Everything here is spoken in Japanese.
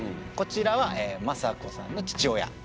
こちらは政子さんの父親。